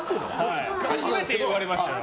初めて言われましたよ